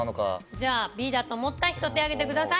じゃあＢだと思った人手挙げてください。